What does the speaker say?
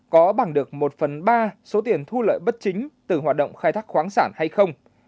có bằng được một phần ba số tiền thu lợi bất chính từ hoạt động khai thác khoáng sản hay không